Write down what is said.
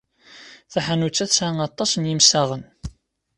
Taḥanut-a tesɛa aṭas n yemsaɣen.